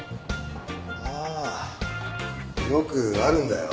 ああよくあるんだよ。